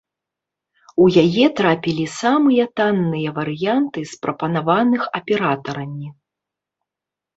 У яе трапілі самыя танныя варыянты з прапанаваных аператарамі.